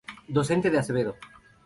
Docente de Acevedo.